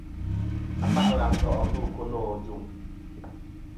Aba'lɨ à nto' ndu ku no.